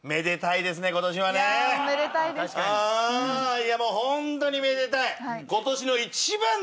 いやもうホントにめでたい！